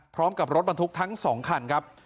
พร้อมกับรถบรรทุกทั้ง๒คันครับ